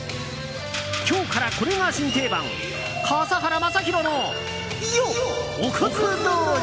今日からこれが新定番笠原将弘のおかず道場。